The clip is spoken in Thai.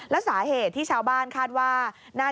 แล้วสาเหตุที่ชาวบ้านคาดว่า